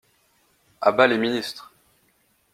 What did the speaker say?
A bas les ministres !